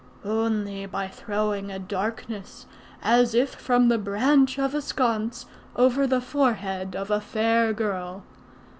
"Only by throwing a darkness, as if from the branch of a sconce, over the forehead of a fair girl.